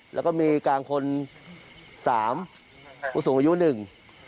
แล้วก็มีกลางคนสามผู้สูงอายุหนึ่ง